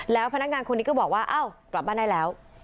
แล้วพนักงานคนนี้ก็บอกว่าอ้าวกลับบ้านได้แล้ว